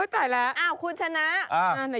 จัยแล้วอยู่ไหนน่ะคุณชนะ